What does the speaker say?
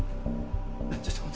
ちょっと。